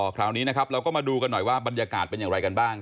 คราวนี้นะครับเราก็มาดูกันหน่อยว่าบรรยากาศเป็นอย่างไรกันบ้าง